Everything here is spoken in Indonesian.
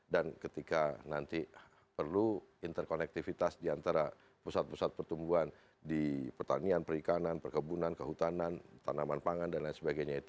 dan ketika nanti perlu interkonektivitas di antara pusat pusat pertumbuhan di pertanian perikanan perkebunan kehutanan tanaman pangan dll